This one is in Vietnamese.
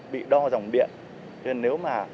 bị đo dòng biện nên nếu mà